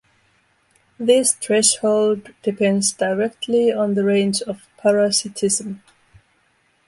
This threshold depends directly on the range of parasitism.